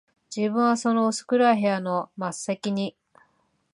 自分はその薄暗い部屋の末席に、